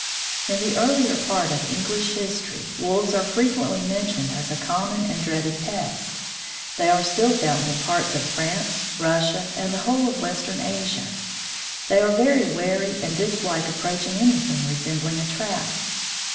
In the earlier part of English history Wolves are frequently mentioned as a common and dreaded pest. They are still found in parts of France, Russia, and the whole of western Asia. They are very wary and dislike approaching anything resembling a trap.